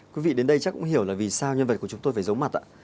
quý vị đến đây chắc cũng hiểu là vì sao nhân vật của chúng tôi phải giấu mặt ạ